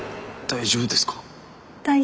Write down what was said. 大丈夫です。